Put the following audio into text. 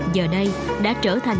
giờ đây đã trở thành